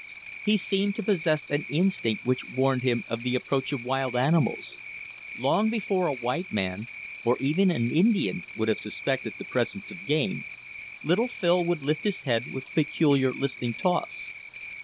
He seemed to possess an instinct which warned him of the approach of wild animals. Long before a white man, or even an Indian, would have suspected the presence of game, little Phil would lift his head with a peculiar listening toss.